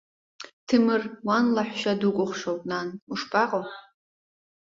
Ҭемыр, уан лаҳәшьа дукәыхшоуп, нан, ушԥаҟоу?